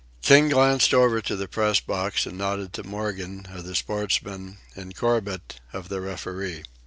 King glanced over to the press box and nodded to Morgan, of the Sportsman, and Corbett, of the Referee.